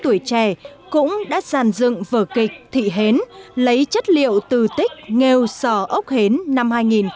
trước nhà hát kịch việt nam nghệ sĩ nhân dân lê khanh và nhà hát tuổi trẻ cũng đã dàn dựng vở kịch thị hến lấy chất liệu từ tích nghèo sò ốc hến năm hai nghìn một mươi ba